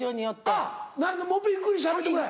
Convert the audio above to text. あっもう一遍ゆっくりしゃべってくれ。